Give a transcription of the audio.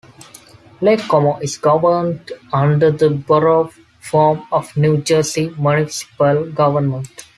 Lake Como is governed under the Borough form of New Jersey municipal government.